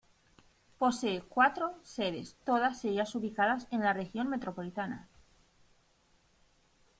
Posee cuatro sedes, todas ellas ubicadas en la Región Metropolitana.